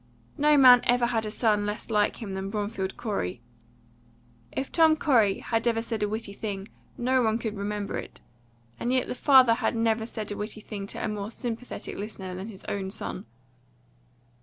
No man ever had a son less like him than Bromfield Corey. If Tom Corey had ever said a witty thing, no one could remember it; and yet the father had never said a witty thing to a more sympathetic listener than his own son.